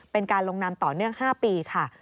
เป็นการลงนามต่อเนื่อง๕ปีค่ะ